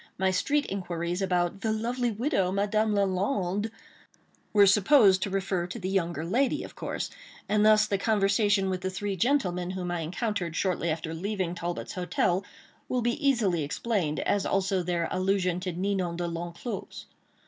My street inquiries about "the lovely widow, Madame Lalande," were supposed to refer to the younger lady, of course, and thus the conversation with the three gentlemen whom I encountered shortly after leaving Talbot's hotel will be easily explained, as also their allusion to Ninon De L'Enclos.